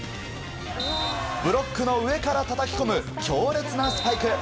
ブロックの上からたたき込む強烈なスパイク。